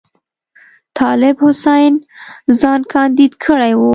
طالب حسین ځان کاندید کړی وو.